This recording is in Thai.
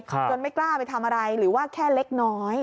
จนไม่กล้าไปทำอะไรหรือว่าแค่เล็กน้อย